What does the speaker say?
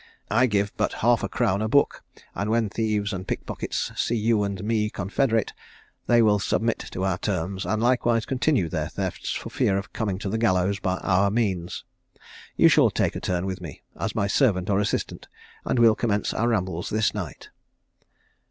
I give but half a crown a book, and when thieves and pickpockets see you and me confederate, they will submit to our terms, and likewise continue their thefts, for fear of coming to the gallows by our means. You shall take a turn with me, as my servant or assistant, and we'll commence our rambles this night."